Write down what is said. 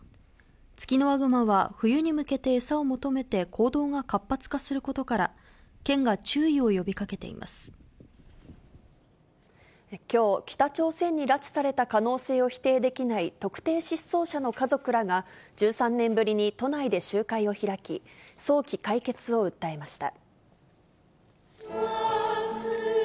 ツキノワグマは、冬に向けて餌を求めて行動が活発化することから、県が注意を呼びきょう、北朝鮮に拉致された可能性を否定できない特定失踪者の家族らが、１３年ぶりに都内で集会を開き、早期解決を訴えました。